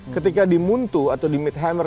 ketika dimuntu atau di meat hammer